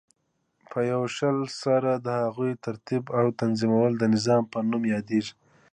په یوه شکل سره د هغی ترتیب او تنظیمول د نظام په نوم یادیږی.